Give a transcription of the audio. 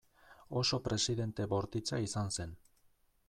Oso presidente bortitza izan zen.